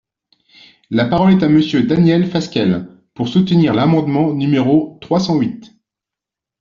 La parole est à Monsieur Daniel Fasquelle, pour soutenir l’amendement numéro trois cent huit.